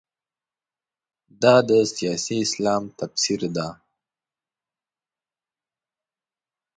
دا د سیاسي اسلام تفسیر ده.